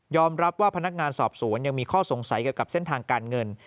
รับว่าพนักงานสอบสวนยังมีข้อสงสัยเกี่ยวกับเส้นทางการเงิน